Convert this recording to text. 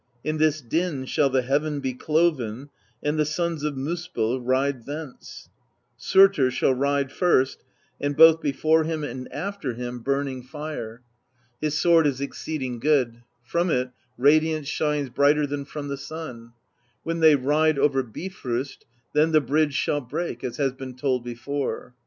In this din shall the heaven be cloven, and the Sons of Miispell ride thence : Surtr shall ride first, and both before him and after him THE BEGUILING OF GYLFI 79 burning fire; his sword is exceeding good: from it radiance shines brighter than from the sun; when they ride over Bi frost, then the bridge shall break, as has been told before.